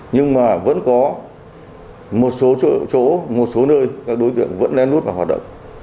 nhưng mà vẫn có một số chỗ một số nơi các đối tượng vẫn lên lút và hoạt động